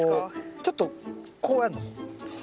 ちょっとこうやんの。